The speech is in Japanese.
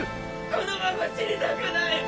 このまま死にたくない！